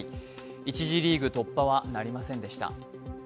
１次リーグ突破はなりませんでした。